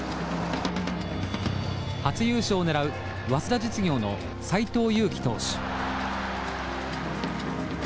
初優勝を狙う早稲田実業の斎藤佑樹投手。